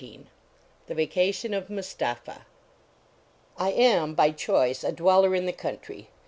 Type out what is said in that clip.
182 THE VACATION OF MUSTAPHA XIV AM, by choice, a dweller in the country.